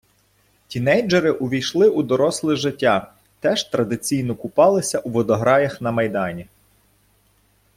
Тінейджери увійшли у доросле життя теж традиційно - купалися у водограях на Майдані.